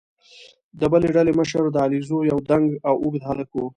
د بلې ډلې مشر د علیزو یو دنګ او اوږد هلک وو.